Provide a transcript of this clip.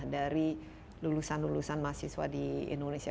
dari lulusan lulusan mahasiswa di indonesia